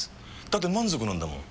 だって満足なんだもん。